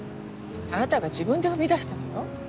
あなたが自分で踏み出したのよ。